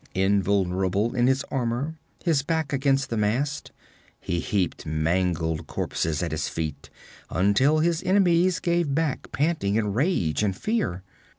Invulnerable in his armor, his back against the mast, he heaped mangled corpses at his feet until his enemies gave back panting in rage and fear.